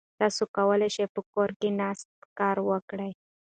تاسو کولای شئ په کور کې ناست کار وکړئ.